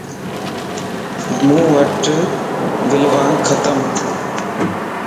مان وٽ بلوانڪ ختمَ